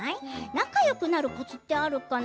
仲よくなるコツってあるかな？